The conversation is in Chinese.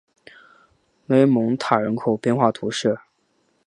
勒蒙塔人口变化图示